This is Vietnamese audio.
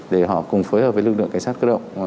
để họ cùng phối hợp với lực lượng cảnh sát cơ động